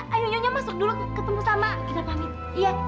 ayo nyonya masuk dulu ketemu sama kita panik